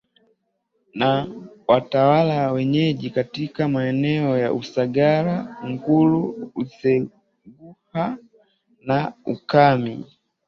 na watawala wenyeji katika maeneo ya Usagara Nguru Useguha na Ukami